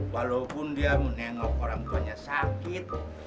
walaupun dia menengok orang tuanya sakit